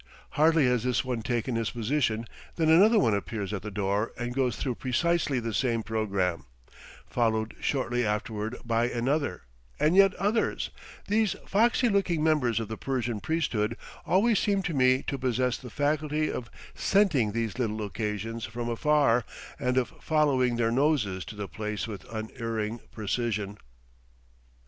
Hardly has this one taken his position than another one appears at the door and goes through precisely the same programme, followed shortly afterward by another, and yet others; these foxy looking members of the Persian priesthood always seem to me to possess the faculty of scenting these little occasions from afar and of following their noses to the place with unerring precision.